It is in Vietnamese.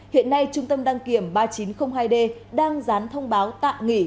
hiện nay trung tâm đăng kiểm ba nghìn chín trăm linh hai d đang dán thông báo tạm nghỉ